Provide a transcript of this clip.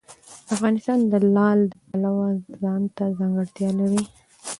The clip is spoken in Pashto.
افغانستان د لعل د پلوه ځانته ځانګړتیا لري.